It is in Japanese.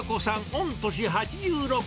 御年８６。